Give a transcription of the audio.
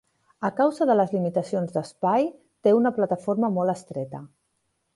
A causa de les limitacions d'espai, té una plataforma molt estreta.